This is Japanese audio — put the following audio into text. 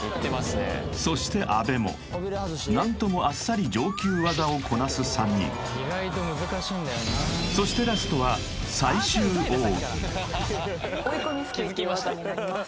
そして阿部も何ともあっさり上級技をこなす３人そしてラストはって技になります